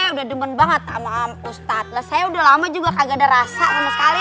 saya udah demen banget sama ustadz saya udah lama juga kagak ada rasa sama sekali